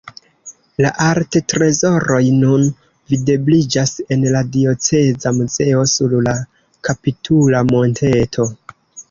La arttrezoroj nun videbliĝas en la Dioceza Muzeo sur la kapitula monteto.